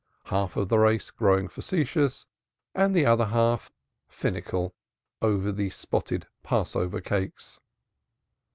half of the race growing facetious, and the other half finical over the spotted Passover cakes.